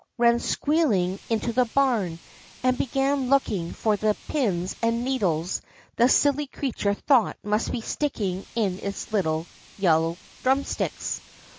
" ran squealing into the barn, and began looking for the pins and 'needles the silly creature thought must be sticking in its little yellow drumsticks.